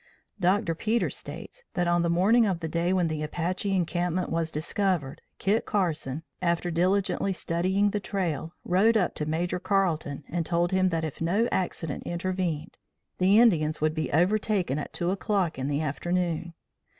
Dr. Peters states that on the morning of the day when the Apache encampment was discovered Kit Carson, after diligently studying the trail, rode up to Major Carleton and told him that if no accident intervened, the Indians would be overtaken at two o'clock in the afternoon.